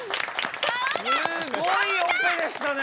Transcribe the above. すごいオペでしたね！